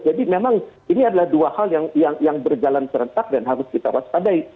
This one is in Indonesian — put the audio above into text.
jadi memang ini adalah dua hal yang berjalan serentak dan harus kita waspadai